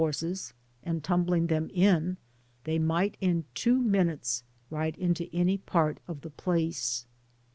103 horses, and tiunbling them in, they might in two minutes ride into any part of the place.